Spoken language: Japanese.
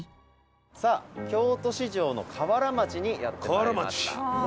さあ京都四条の河原町にやって参りました。